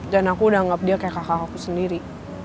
dan aku udah anggap dia kayak kakak aku sendiri